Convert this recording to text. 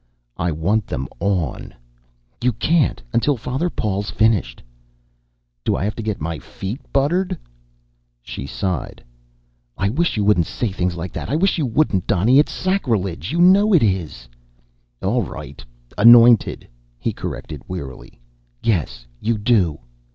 "I want them on." "You can't, until Father Paul's finished." "Do I have to get my feet buttered?" She sighed. "I wish you wouldn't say things like that. I wish you wouldn't, Donny. It's sacrilege, you know it is." "All right 'anointed'," he corrected wearily. "Yes, you do."